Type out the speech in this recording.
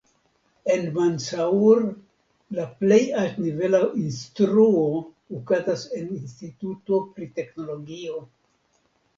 En Mandsaur la plej altnivela instruo okazas en instituto pri teknologio.